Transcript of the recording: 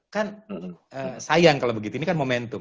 kan sayang kalau begitu ini kan momentum